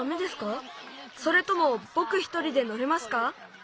それともぼく一人でのれますか？